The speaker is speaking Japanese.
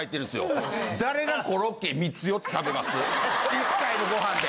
１回のご飯で。